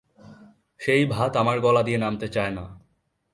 সেই ভাত আমার গলা দিয়ে নামতে চায় না।